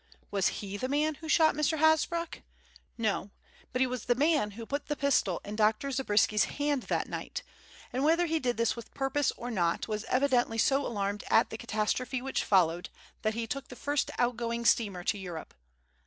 Was he the man who shot Mr. Hasbrouck? No; but he was the man who put the pistol in Dr. Zabriskie's hand that night, and whether he did this with purpose or not, was evidently so alarmed at the catastrophe which followed that he took the first outgoing steamer to Europe.